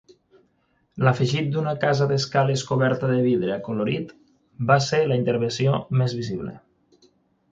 L'afegit d'una casa d'escales coberta de vidre acolorit va ser la intervenció més visible.